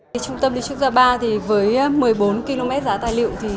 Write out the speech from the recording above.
trung tâm lưu trữ quốc gia ba với một mươi bốn km giá tài liệu